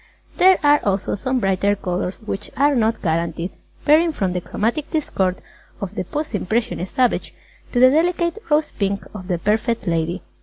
There are also some brighter colours, which are not guaranteed, varying from the chromatic discord of the post impressionist Savage to the delicate rose pink of the Perfect Lady.